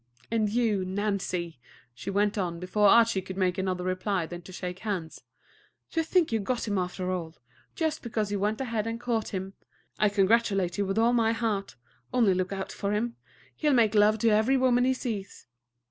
and you, Nancy," she went on, before Archie could make other reply than to shake hands; "to think you got him after all, just because you went ahead and caught him! I congratulate you with all my heart; only look out for him. He'll make love to every woman he sees."